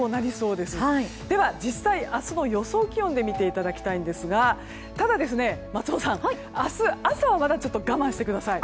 では実際、明日の予想気温で見ていただきたいんですがただ、松尾さん、明日朝はまだ我慢してください。